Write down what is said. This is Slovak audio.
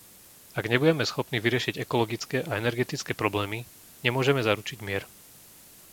Ak nebudeme schopní vyriešiť ekologické a energetické problémy, nemôžeme zaručiť mier.